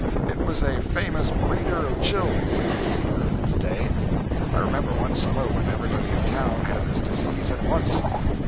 It was a famous breeder of chills and fever in its day. I remember one summer when everybody in town had this disease at once.